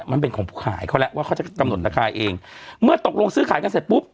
มันเป็นของผู้ขายเขาแล้วว่าเขาจะกำหนดราคาเองเมื่อตกลงซื้อขายกันเสร็จปุ๊บ